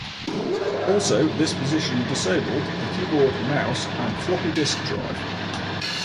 Also, this position disabled the keyboard, mouse and floppy disk drive.